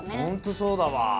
ホントそうだわ。